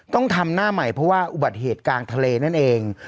ต้องทำหน้าใหม่เพราะว่าอุบัติเหตุกลางทะเลนั่นเอง